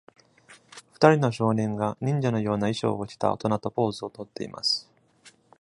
二人の少年が、忍者のような衣装を着た大人とポーズをとっています。